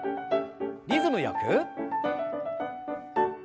リズムよく。